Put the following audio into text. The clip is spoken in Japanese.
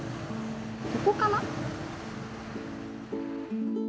ここかな？